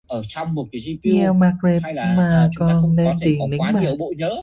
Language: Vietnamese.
Nghèo mạt rệp mà còn đem tiền đi đánh bạc